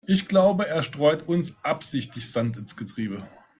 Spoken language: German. Ich glaube, er streut uns absichtlich Sand ins Getriebe.